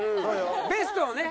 ベストをね